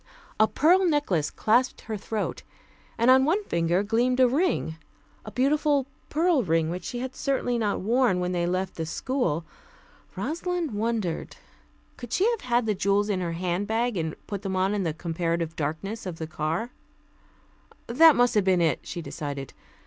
A pearl necklace clasped her throat, and on one finger gleamed a ring a beautiful pearl ring which she certainly had not worn when they left the school. Rosalind wondered. Could she have had the jewels in her hand bag, and put them on in the comparative darkness of the car? That must have been it, she decided.